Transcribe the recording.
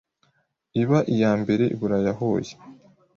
iba iyambere iburaya hoye